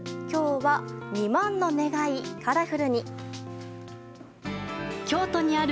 今日は２万の願いカラフルに。